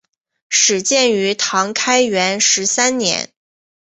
始建于唐开元十三年。